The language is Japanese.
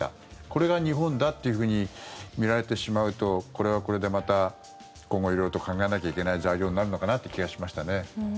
これが日本だっていうふうに見られてしまうとこれはこれでまた、今後色々と考えなきゃいけない材料になるのかなって気がしましたね。